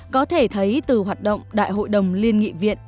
có thể thấy từ hoạt động đại hội đồng liên nghị viện